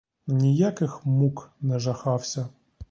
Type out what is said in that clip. Ніяких мук не жахався.